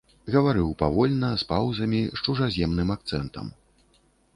Гаварыў павольна, з паўзамі, з чужаземным акцэнтам.